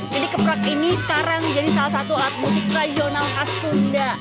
jadi keprak ini sekarang jadi salah satu alat musik regional khas sunda